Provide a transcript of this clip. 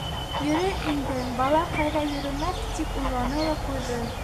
Йөрөр инде, бала ҡайҙа йөрөмәҫ тип уйланы ла ҡуйҙы.